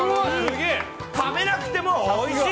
食べなくてもおいしい！